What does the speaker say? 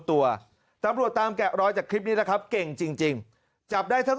ตัวตำรวจตามแกะรอยจากคลิปนี้นะครับเก่งจริงจับได้ทั้ง